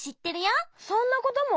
そんなことも？